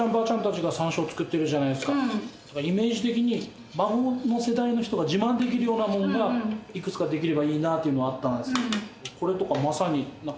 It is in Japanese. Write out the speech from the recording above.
イメージ的に孫の世代の人が自慢できるようなものがいくつかできればいいなっていうのがあったんですよ。